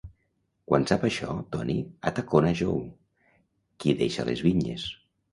Quan sap això, Tony atacona Joe, qui deixa les vinyes.